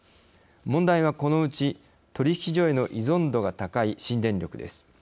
問題は、このうち卸売市場への依存度が高い新電力です。